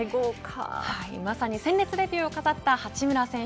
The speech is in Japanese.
まさに鮮烈デビューを飾った八村選手。